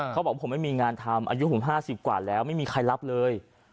เขาบอกผมไม่มีงานทำอายุผม๕๐กว่าแล้วไม่มีใครรับเลย